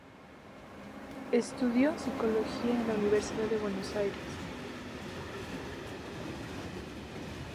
Estudió psicología en la Universidad de Buenos Aires.